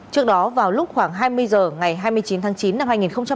trước đó vào lúc khoảng hai mươi h ngày hai mươi chín tháng chín năm hai nghìn hai mươi